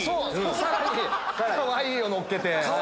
さらにかわいいを乗っけて。